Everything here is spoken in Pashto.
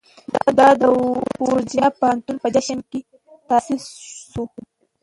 دا د ورجینیا پوهنتون په جشن کې تاسیس شو.